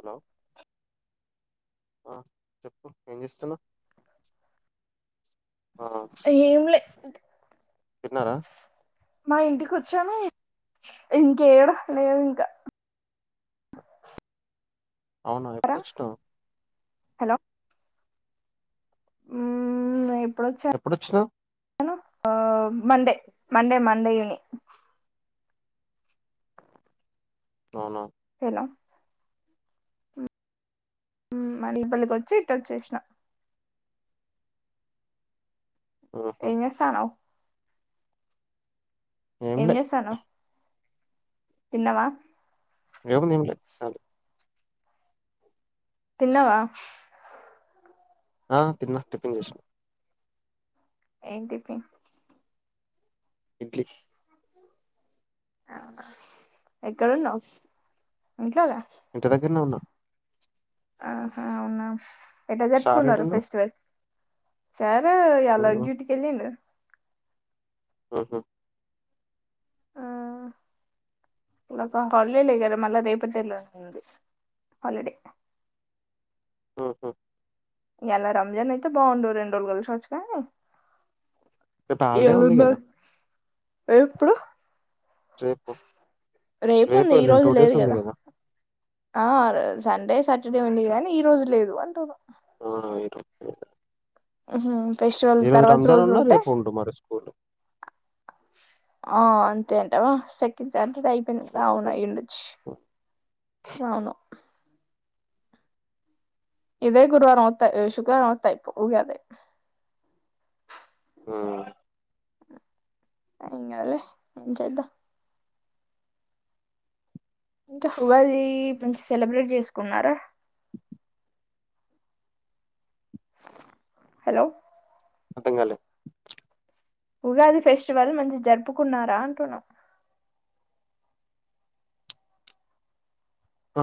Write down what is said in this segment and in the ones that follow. Hello హ చెప్పు ఏం చేస్తున్నవ్ ఏమ్ లే తిన్నార మా ఇంటికి వచ్చాము ఇంకేడా లేదు ఇంక అవునా ఎప్పుడు వచ్చినావ్ హలో ఎప్పుడొచ్చినా వ్ ఆ మండె మండె మండే ఈవినింగ్ అవున హెలో ఉమ్ మని ఇబ్బందిగా వచ్చి ఇటోచ్చేసినా ఆహా ఎం చేస్తనవ్ ఏంలే ఎంచేస్తనవ్ తిన్నవ ఏం తిన్లే అది తిన్నవ ఆ తిన్న టిఫిన్ చేసిన ఏం టిఫిన్ ఇడ్లి ఆహా ఎక్కడున్నావ్ ఇంట్లోగ ఇంటి దగ్గర్నే ఉన్న ఆహా అవున ఎట్ట సార్ జరుపుకున్నారు ఏడున్నాడు ఫెస్టివల్ సారు ఇయాల మ్మ్ డ్యూటికెల్లిండు. ఊహు ఆ ఇల్లకు ఇంక హాలిడే లే కదా మళ్ళా రేపటి నుండి హాలిడేస్ హాలిడే ఊహు ఇయాల రంజాన్ అయితే బాగుండు రెండు రోజులు కలిసొచ్చు కానీ రేపటి హాలిడే ఇయాల ఉనికాద ఉన్నది ఎప్పుడు రేపు ఉంది ఈ ఎల్లుండి రోజు టూ డేస్ లేదు ఉంది కదా ఆ సండే సట ర్డే ఉంది కాని ఈ రోజు లేదు అంటున ఆ ఇ రోజు లేదు ఆహా ఈ రోజు రంజాన్ ఉన్నా రేపు ఉండు మరి స్కూలు ఆ అంతేంటవా సెకండ్ సాటర్డే అయి అవున అయ్యిండచ్చు అవును ఇదే గురువారం అత్తె శుక్రవారం అత్తె అయిపోవు ఉగాదే, హ్మ్ ఎం కాదులే ఎం చేద్దాం ఇంకా ఉగాది సెలబ్రేట్ చేసుకున్నారా హలో అర్ధంకాలే ఉగాది ఫెస్టివల్ మంచిగ జరుపుకున్నారా అంటున్నా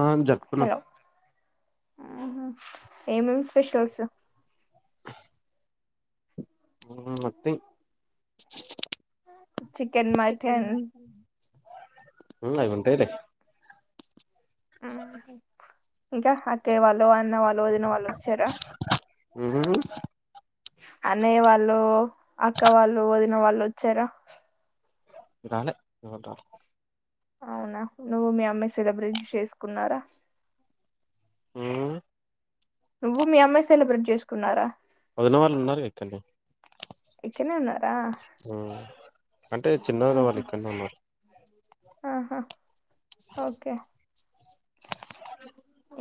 అ జరపుకున్నాం ఆహా ఏమేమి స్పెషల్స్ హ్మ్ నథింగ్ చికెన్, మటన్ ఉమ్ అవి ఉంటాయిలే ఉమ్ హు ఇంకా అక్కయ్య వాళ్ళు అన్న వాల్ వదిన వాళ్ళు వచ్చారా మ్మ్ అన్నయ్య వాళ్ళు అక్క వాళ్ళు వదిన వాళ్ళు వచ్చారా రాలే ఎవరు రాలా అవునా నువ్వు మీ అమ్మే సెలబ్రేట్ చేసుకున్నారా ఉమ్ నువ్వు మీ అమ్మే సెలబ్రేట్ చేసుకున్నారా వదిన వాళ్ళు ఉన్నారుగా ఇక్కడనే ఇక్కనే ఉన్నారా ఉమ్ అంటే చిన్న వదిన వాళ్ళు ఆహా ఇక్కనే ఉన్నారు ఆహా ఓకే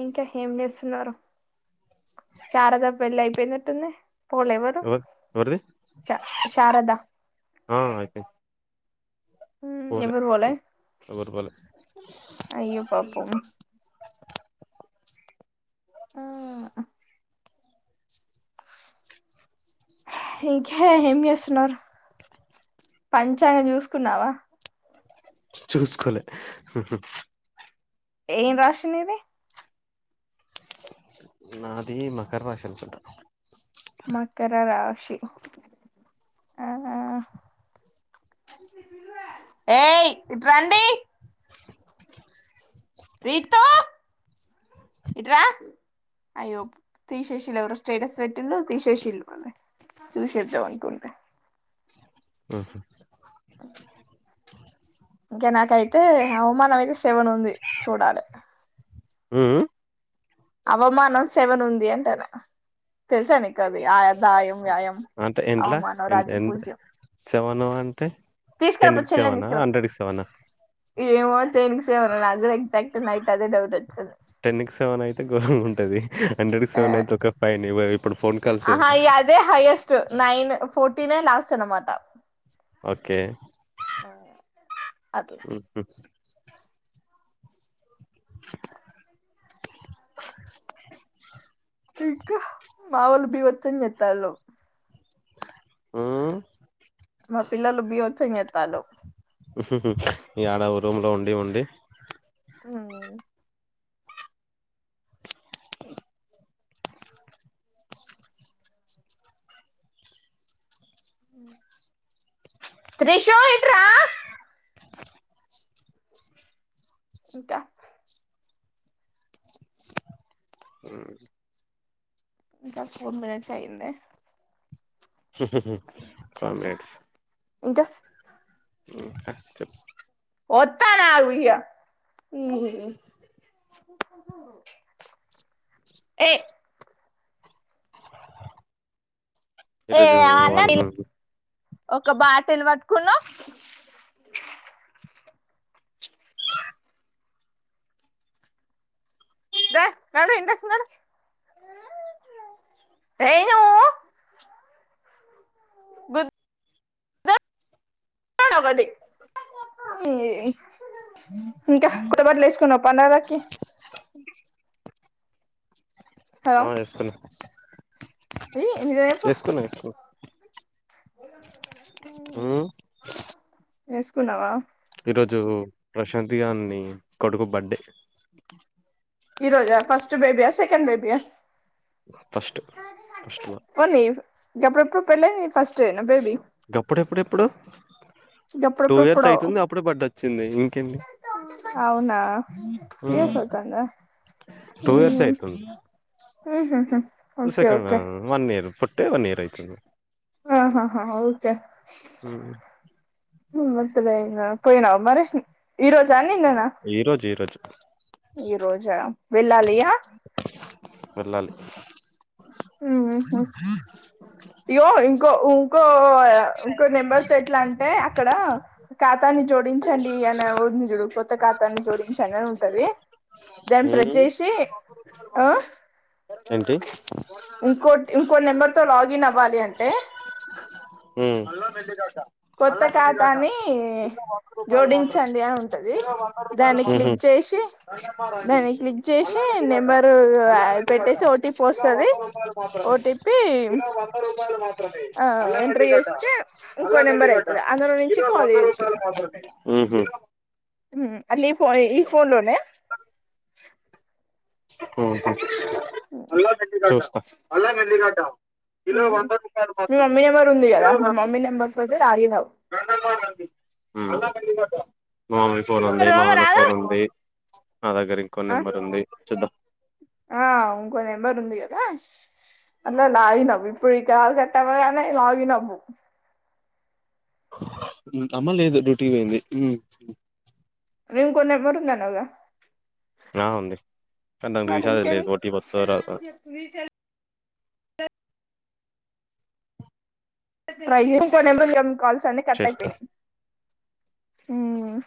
ఇంకా ఏం చేస్తున్నారు శారద పెళ్లి అయిపోయినట్టుంది పోలే ఎవరు శా శారద ఆ అయిపోయింది పోలే పోలే ఎవరు పోలే అయ్యో పాపం ఇంకా ఏం చేస్తున్నారు పంచాంగ చూసుకున్నావా చూసుకోలే ఏం రాశి నీది నాది మకర రాశి అనుకుంటా మకర రాశి ఆ ఏ ఇటురండి రీతూ ఇట్రా అయ్యో తీసేసిండ్రు ఎవరో స్టేటస్ పెట్టిలు తీసేసిల్లు మల్ల చూసేద్దాం అనుకుంటే ఉ ఇంకనాకాయ్ నాకైతే అవమానమయితే సేవన్ ఉంది చూడాలే ఉమ్ ఉమ్ అవమానం సేవన్ ఉంది అంటానా తెలుసా నీకది అది ఆదాయం వ్యయం అవమానం రాజ్యపూజ్యం సెవెను అంటే టెన్ తీసుకురపో కి చెల్లిని సెవెనా తీసుకురపో హండ్రెడ్ కి సెవెనా ఏమో దేనికి సెవెనో నాక్కూడా ఎగజాక్ట్ నైట్ అదే డౌట్ వచ్చింది టెన్ కి సెవెన్ అయితే ఘోరంగా ఉంటది హండ్రెడ్ కి ఆ సెవెన్ అయితే ఒకే ఫైన్ ఇప్పుడు ఫోన్ కాల్స్ ఆహా ఇగ అదే హైయెస్ట్ నైన్ ఫోర్టీనే లాస్ట్ అనమాట ఓకే అట్లా ఉ హు [inaudible] ఇంక మా వోళ్లు బీబచ్చం చెత్తాళ్ళు ఊమ్ మా పిల్లలు బీబచ్చం చెత్తాళ్ళు ఈ ఆడ రూమ్ లో ఉండి ఉండి అ త్రిషో ఇటు రా ఇంక త ఫోర్ మినిట్స్ అయ్యింద హు హు హు ఫైవ్ మినిట్స్ ఇంకా ఇంకా చెప్పు వత్తానాగు ఇగ య్య ఏ ఈరోజు ఏమన్నా వాళ్ళు నీళ్ళు- ఒక బాటిలు పట్టుకున్నావ్ ద నడు ఇంట్లకి నడు ఏఉ గుద్ త్తనొకటి ఈ ఇంకా కొత్తబట్లు వేసుకున్నావ పండగకి [inaudible] ఆ ఏసుకున్న ఏయ ని ఎప్ప వేసుకున్నా మ్మ్ [unintelligible] వేసుకున్నావ ఈరోజు ప్రశాంత్ గాన్ని కొడుకు బర్డే ఈ రోజ ఫస్ట్ బేబియ సెకండ్ బేబియ ఫస్ట్ ఫస్ట్లా ఎప్పుడేప్పుడు పెళ్ల ఫస్టేన బేబి గప్పడెప్పుడెప్పుడు టూ ఇయర్స్ గప్పుడెప్పుడెప్పుడో అయితంది అప్పుడె బర్త్డే వచ్చింది ఇంకేంటి అవునా త్రీ ఇయర్స్ అవుతుందా టూ ఇయర్స్ మ్మ్ అయితంది మ్మ్ టు ఓకే సెకండ్ రా ఓకే అం నీరు పుట్టే వన్ ఇయర్ అయితంది ఆహాహ ఓకె మత్త పోయినవ్ మరి ఈ రోజు అం ఈరోజు ఈరోజు ఈ రోజ వెళ్ళాలియా వెళ్ళాలి ఇయ్యో ఇంకో ఇంకో ఇంకో నెంబర్తో ఎట్లా అంటే అక్కడ ఖాతాన్ని జోడించండి అని ఉంది చూడు కొత్తఖాతాన్ని జోడించండని ఉంటది దాని ప్రస్ మ్మ్ చేసి ఏంటి ఇంకో ఇంకో నెంబర్ తొ లాగిన్ అవ్వాలి అంటే [unintelligible] కొత్త ఖాతాన్ని జోడించండి అని ఉంటది దాన్ని క్లిక్ చేసి దాన్ని క్లిక్ చేసి నెంబరు మ్ పెట్టేసి ఓటీపీ వస్తది ఓటీపీ హూ ఆ ఎంటర్ చేస్తే ఇంకో అల్లం నెంబర్ ఎల్లిగడ్డ అయితది అందులో నుంచి కాల్ ఉహూ అట్లీ ఫోనె ఈ ఫోన్లోనే అహా చూస్తా మీ మమ్మీ నెంబర్ ఉంది కదా కిలో మీ వంద మమ్మీ నెంబర్స్ తో చెయ్ ఆరీగావ్ మ్మ్ మామయ్య ఫోన్ ఉంది మానాయన ఫోన్ రాదు ఉంది నా దగ్గర ఇంకో నెంబర్ ఉంది చూద్దాం ఆ ఉంకో నెంబర్ ఉంది గ అలా లాగినవ్ ఇప్పుడు ఈ కాల్ కట్టవగానే లాగినవ్వు అమ్మ లేదు డ్యూటీకి పోయింది వే ఇంకో నెంబరుందన్నవ్ గా ఆ ఉంది కానీ నాకు ఈ విషయాలు ఇంకేం తెలీదు ఓటీపీ ఒత్తదో రాదో ట్రై చేయి ఇంకో నంబర్ ఉంది గా మీకు కాల్ అని కట్ చేస్తా అయిపోయనయ్ మ్మ్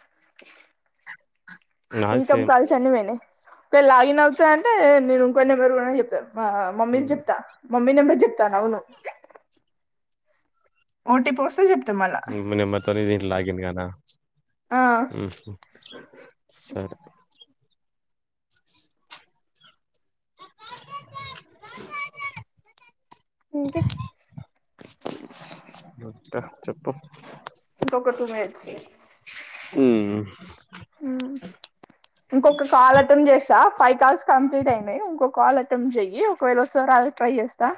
నాది ఇన్కమ్ సేమ్ కాల్స్ అన్ని పోయినాయ్ ఒక లాగిన్ అవుతాయంటే నేను ఇంకో నెంబరు కూడా చెప్తాను మమ్మీది చెప్తా మమ్మీ నెంబర్ చెప్తాను అవును ఓటిపి పోసే చెప్పు మి అమ్మ నంబర్ తోనే లాగిన్ కానా ఆ సరే [unintelligible] ఇంకా చెప్పు ఒక టూ మినిట్స్ అ ఇంకొక కాల్ అటెంప్ట్ చేస్త ఫైవ్ కాల్స్ కంప్లీట్ అయినాయి ఇంకో కాల్ అటెంప్ట్ చెయ్యి ఒకవేళ వస్తారు అ ట్రై చేస్తా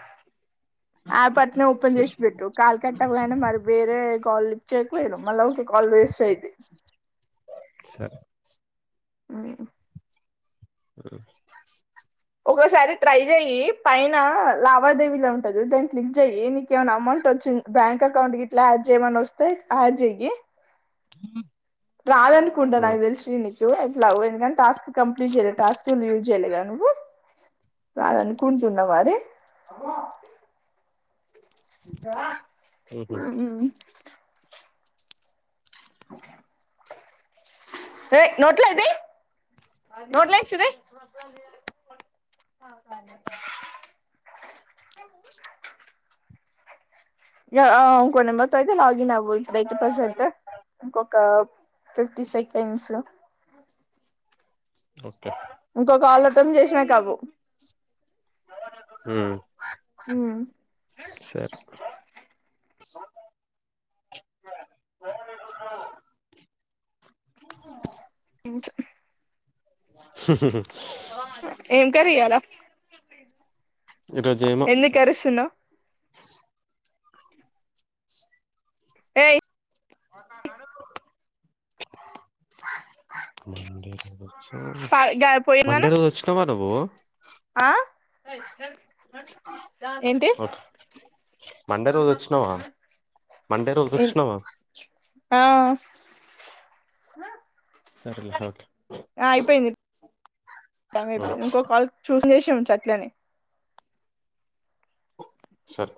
ఆయాప్ అట్నే ఓపెన్ సరే చేసి పెట్టు కాల్ కట్టవాగానె మరి వేరే కాల్ లిఫ్ట్ చేయకలేరు మళ్ళా ఒక కాల్ వేస్ట్ అయిది [inaudible] ఆ అ ఒకసారి ట్రై చెయి పైన లావాదేవీలో ఉంటదు దాని క్లిక్ చెయ్యి నీకేమైనా అమౌంట్ వచ్చింది బ్యాంక్ అకౌంట్ ఇట్లా యాడ్ చేయమని వస్తే యాడ్ చెయ్యి హ రాదనుకుంటా నాకు తెలిసి న వు ఎ టాస్క్ కంప్లీట్ చేయలే టస్కు యూజ్ చెయ్యలే కదా నువ్వు రాదఅను కూంటు ఉన్న వరే ఉహు [unintelligible] ర నోట్ల ఇది నోట్ల ఇచ్చి తీ ఇంకో నంబర్ తో అయితే లాగిన్ అవ్ ై ప్రసెంట్ ఆ ఫిఫ్టీ సెకండ్స్ ఓకే ఇంకొక వాళ్ళతోని చేసినాకాఅవ్వు హు సరే ముంత కారి ఇయ్యాల ఈరోజు ఏమో ఎందుకు ఎస్ అరుస్తున్నావ్ ఏ అ మ పోయి మండే నాన్న రోజు వచ్చినావా నువ్వు వచ్చిన ఏంటి ఓకే మండే రోజు వచ్చినావా మండే రోజు ఎన్ వచ్చినావా ఆ హ సరేలే ఓకే టైమ్ ఉమ్ అయిపోఇంది ఇంకో కాల్ చూసి నే చు అట్లనే సరే